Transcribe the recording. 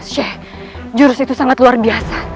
sheikh jurus itu sangat luar biasa